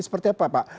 seperti apa pak